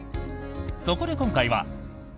そこで今回は。